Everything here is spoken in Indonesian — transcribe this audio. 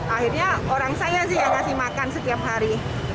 akhirnya orang saya sih yang kasih makan setiap hari